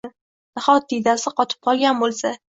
Nahot diydasi qotib boʻlgan boʻlsa?!